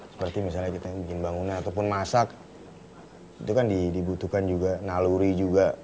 seperti misalnya kita bikin bangunan ataupun masak itu kan dibutuhkan juga naluri juga